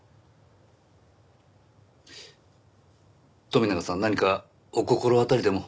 富永さん何かお心当たりでも？